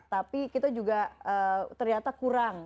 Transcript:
tapi kita juga ternyata kurang